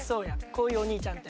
こういうおにいちゃんって。